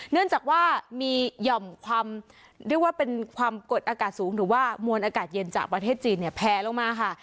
เนื่องจากว่ามีหย่อมความกดอากาศสูงหรือว่ามวลอากาศเย็นจากประเทศจีนแพลลงมาค่ะ